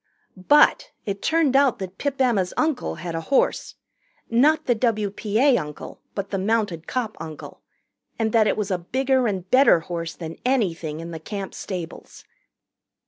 But it turned out that Pip Emma's uncle had a horse not the W.P.A. uncle but the mounted cop uncle and that it was a bigger and better horse than anything in the Camp stables.